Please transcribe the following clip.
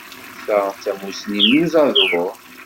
Ta d tamussni n uzadur.